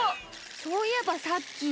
そういえばさっき。